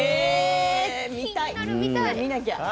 見なきゃ。